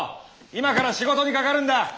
今から仕事にかかるんだ。